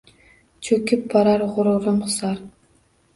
Choʼkib borar gʼururim — Hisor